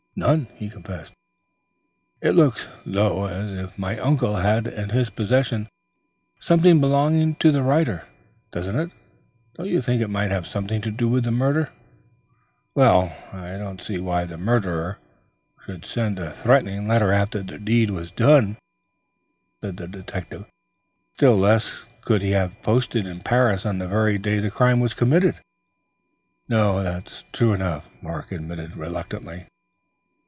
"None," he confessed. "It looks, though, as if my uncle had in his possession something belonging to the writer, doesn't it? Don't you think it might have something to do with the murder?" "I don't see why the murderer should send a threatening letter after the deed was done," said the detective. "Still less could he have posted it in Paris on the very day the crime was committed." "No, that's true enough," Mark admitted reluctantly.